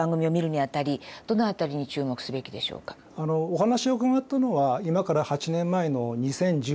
お話を伺ったのは今から８年前の２０１４年。